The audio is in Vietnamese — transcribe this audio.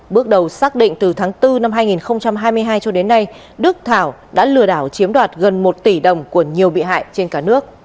bước đầu xác định từ tháng bốn năm hai nghìn hai mươi hai cho đến nay đức thảo đã lừa đảo chiếm đoạt gần một tỷ đồng của nhiều bị hại trên cả nước